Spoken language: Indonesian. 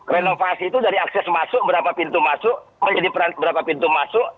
renovasi itu dari akses masuk berapa pintu masuk menjadi berapa pintu masuk